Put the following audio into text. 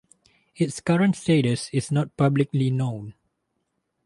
Its current status is not publicly known.